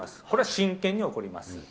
これは真剣に怒ります。